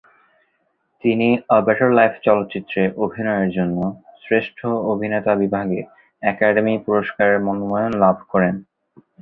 তিনি "a better life" চলচ্চিত্রে অভিনয়ের জন্য শ্রেষ্ঠ অভিনেতা বিভাগে একাডেমি পুরস্কারের মনোনয়ন লাভ করেন।